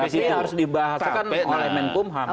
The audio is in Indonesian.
tapi harus dibahas oleh menkumham